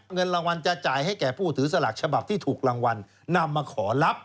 เงินรางวัลจะจ่ายให้แก่ผู้ถือสลากฉบับที่ถูกรางวัลนำมาขอรับ